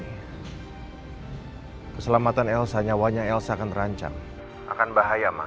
hai keselamatan elsa nyawanya elsa akan terancam akan bahaya mah